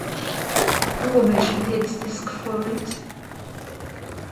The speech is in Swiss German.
Worùm hesch mich jetz dìss gfröjt ?